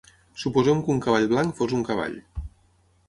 Suposem que un cavall blanc fos un cavall.